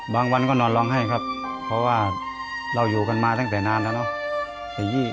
วันก็นอนร้องไห้ครับเพราะว่าเราอยู่กันมาตั้งแต่นานแล้วเนอะ